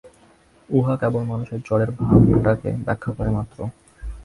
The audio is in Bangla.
উহা কেবল মানুষের জড়ের ভাগটাকে ব্যাখ্যা করে মাত্র।